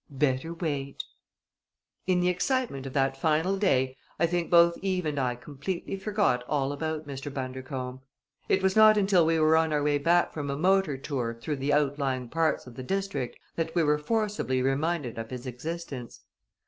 "Better wait!" In the excitement of that final day I think both Eve and I completely forgot all about Mr. Bundercombe. It was not until we were on our way back from a motor tour through the outlying parts of the district that we were forcibly reminded of his existence.